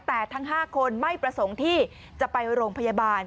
แต่ทั้ง๕คนไม่ประสงค์ที่จะไปโรงพยาบาล